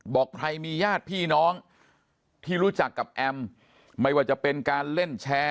บอกใครมีญาติพี่น้องที่รู้จักกับแอมไม่ว่าจะเป็นการเล่นแชร์